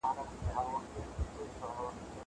زه بايد ليک ولولم!